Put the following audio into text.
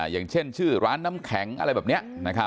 อย่างเช่นชื่อร้านน้ำแข็งอะไรแบบนี้